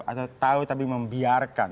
atau tahu tapi membiarkan